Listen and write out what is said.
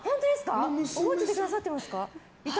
覚えててくださってますか？